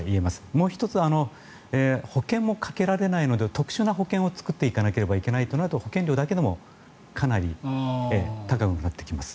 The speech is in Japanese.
もう１つ保険もかけられないので特殊な保険を作っていかないといけないとなると保険料だけでもかなり高くなってきます。